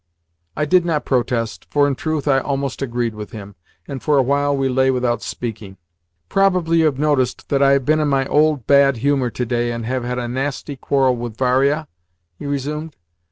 I did not protest, for, in truth, I almost agreed with him, and for a while we lay without speaking. "Probably you have noticed that I have been in my old bad humour today, and have had a nasty quarrel with Varia?" he resumed.